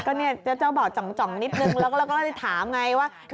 ก็นี่เจ้าบ่าวจ่องนิดหนึ่งแล้วก็ถามไงว่า